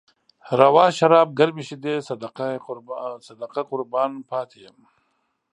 روا شراب، ګرمې شيدې، صدقه قربان پاتې يم